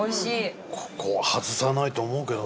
ここは外さないと思うけどな。